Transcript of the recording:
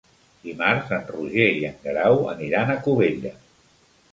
Dimarts en Roger i en Guerau aniran a Cubelles.